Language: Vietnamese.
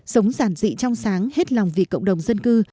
sống giản dị trong sáng hết lòng vì cộng đồng dân cư